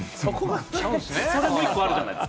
それも１個あるじゃないですか。